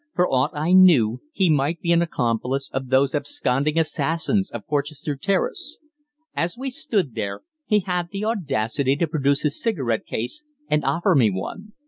For aught I knew, he might be an accomplice of those absconding assassins of Porchester Terrace. As we stood there, he had the audacity to produce his cigarette case and offer me one.